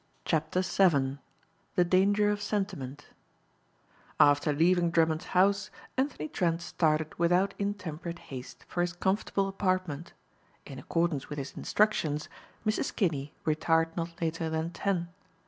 CHAPTER VII THE DANGER OF SENTIMENT AFTER leaving Drummond's house Anthony Trent started without intemperate haste for his comfortable apartment. In accordance with his instructions, Mrs. Kinney retired not later than ten.